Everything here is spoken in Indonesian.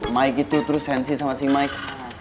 mike itu terus hansi sama si mike